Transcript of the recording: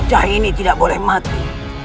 gajah ini tidak boleh mati